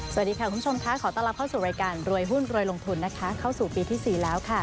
สวัสดีค่ะคุณผู้ชมค่ะขอต้อนรับเข้าสู่รายการรวยหุ้นรวยลงทุนนะคะเข้าสู่ปีที่๔แล้วค่ะ